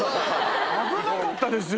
危なかったですよ。